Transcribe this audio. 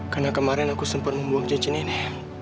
karena kemarin aku sempat membuang jencin ini